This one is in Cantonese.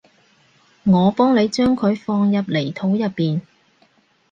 我幫你將佢放入泥土入邊